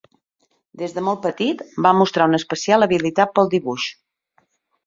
Des de molt petit va mostrar una especial habilitat pel dibuix.